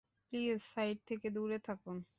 Please, site থেকে দূরে থাকুন।